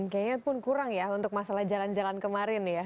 kayaknya pun kurang ya untuk masalah jalan jalan kemarin ya